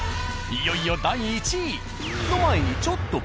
いよいよ第１位。